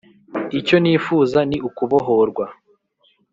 Icyo nifuza ni ukubohorwa